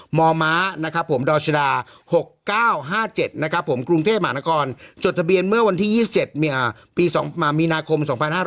หมอม้าดรชดา๖๙๕๗กรุงเทพฯหมานกรจดทะเบียนเมื่อวันที่๒๗มีนาคม๒๕๕๗